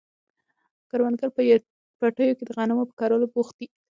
کروندګر په پټیو کې د غنمو په کرلو بوخت دي.